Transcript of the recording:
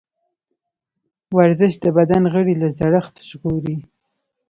ورزش د بدن غړي له زړښت ژغوري.